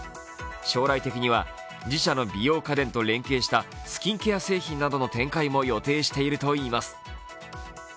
将来的には自社の美容家電と連携したスキンケア製品などの展開も予定しているといいます。